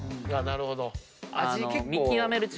なるほど。